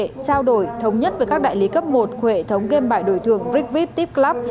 trao đổi thống nhất với các đại lý cấp một của hệ thống game bài đổi thường rigvip tipclub